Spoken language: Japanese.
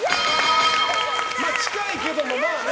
近いけども、まあね。